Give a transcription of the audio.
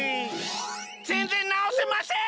ぜんぜんなおせません！